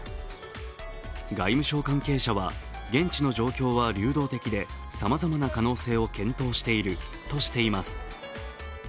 外務省関係者は、現地の状況は流動的でさまざまな可能性を検討しているとしています。